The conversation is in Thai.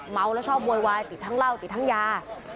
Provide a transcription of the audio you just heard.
เมาแล้วชอบโวยวายติดทั้งเหล้าติดทั้งยา